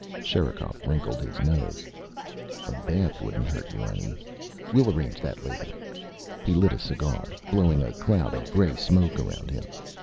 Sherikov wrinkled his nose. "A bath wouldn't hurt you any. We'll arrange that later." He lit a cigar, blowing a cloud of gray smoke around him.